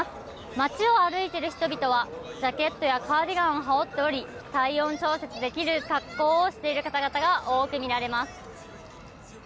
街を歩いている人々はジャケットやカーディガンを羽織っており体温調整できる格好をしている方々が多く見られます。